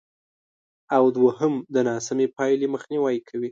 او دوېم د ناسمې پایلې مخنیوی کوي،